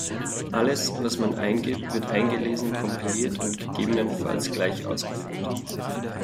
Alles was man eingibt wird eingelesen, kompiliert und gegebenenfalls gleich ausgeführt.